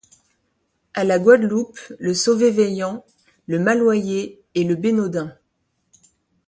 À la Guadeloupe, le sové vayan, le maloyè et le bénodin.